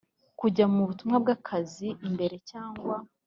Kujya mu butumwa bw akazi imbere cyangwa